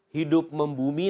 hidup membumi nama